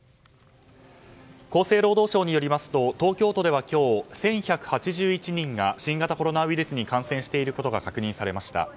厚生労働省によりますと東京都では今日１１８１人が新型コロナウイルスに感染していることが確認されました。